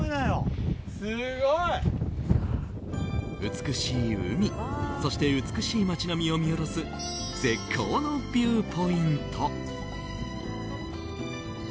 美しい海、そして美しい街並みを見下ろす絶好のビューポイント。